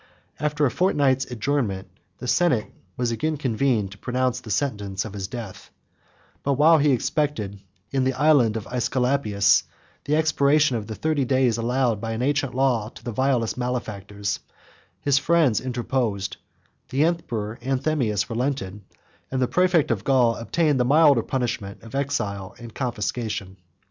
After a fortnight's adjournment, the senate was again convened to pronounce the sentence of his death; but while he expected, in the Island of Aesculapius, the expiration of the thirty days allowed by an ancient law to the vilest malefactors, 100 his friends interposed, the emperor Anthemius relented, and the præfect of Gaul obtained the milder punishment of exile and confiscation.